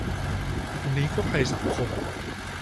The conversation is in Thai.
อันนี้ก็ภัยสังคม